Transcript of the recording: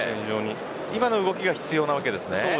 今の動きが必要なわけですね。